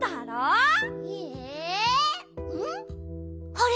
あれ？